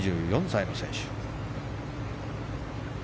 ２４歳の選手。